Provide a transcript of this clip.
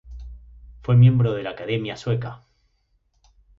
Fue miembro de la Academia Sueca.